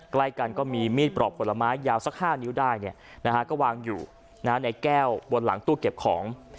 ใกล้กันก็มีมีดปรอบขวดละม้ายาวสักห้านิ้วได้เนี่ยนะฮะก็วางอยู่นะฮะในแก้วบนหลังตู้เก็บของ